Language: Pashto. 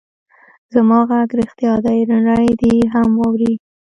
زما غږ رښتیا دی؛ نړۍ دې هم واوري.